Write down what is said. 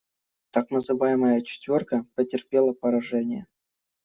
Так называемая «четверка» потерпела поражение.